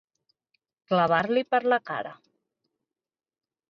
Clavar-li per la cara.